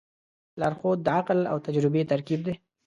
لارښود د عقل او تجربې ترکیب دی.